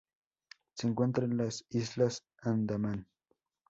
Se encuentran en las Islas Andamán.